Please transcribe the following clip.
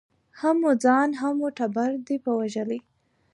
هم مو ځان هم مو ټبر دی په وژلی